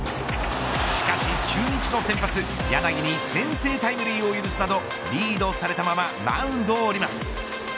しかし中日の先発、柳に先制タイムリーを許すなどリードされたままマウンドを降ります。